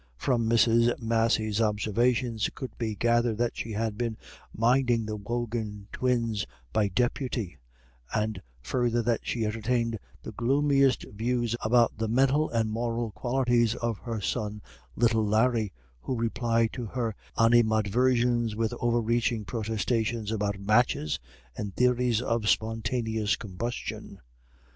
From Mrs. Massey's observations it could be gathered that she had been minding the Wogan twins by deputy, and further that she entertained the gloomiest views about the mental and moral qualities of her son little Larry, who replied to her animadversions with over reaching protestations about matches and theories of spontaneous combustion.